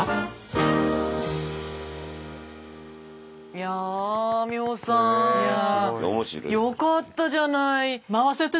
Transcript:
いや美穂さんよかったじゃない！